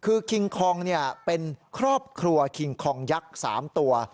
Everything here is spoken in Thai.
คือคิงคองเป็นครอบครัวคิงคองยักษ์๓ตัว